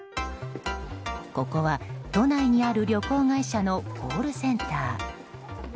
ここは都内にある旅行会社のコールセンター。